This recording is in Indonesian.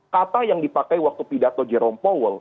kata yang dipakai waktu pidato jerome powell